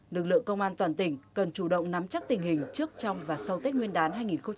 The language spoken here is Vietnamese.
lực lượng công an toàn tỉnh cần chủ động nắm chắc tình hình trước trong và sau tết nguyên đán hai nghìn hai mươi bốn